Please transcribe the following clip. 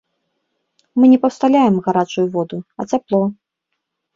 Мы не пастаўляем гарачую ваду, а цяпло.